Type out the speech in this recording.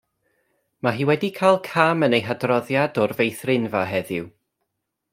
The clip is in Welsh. Mae hi wedi cael cam yn ei hadroddiad o'r feithrinfa heddiw.